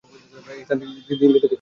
এই স্থান দিল্লি থেকে উত্তরে অবস্থিত।